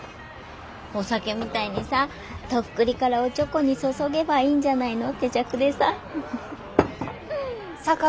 お酒みたいにさとっくりからおちょこに注げばいいんじゃないの手酌でさ。